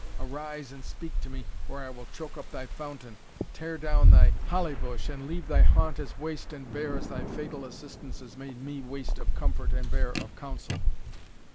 Arise and speak to me, or I will choke up thy fountain, tear down thy hollybush, and leave thy haunt as waste and bare as thy fatal assistance has made me waste of comfort and bare of counsel!"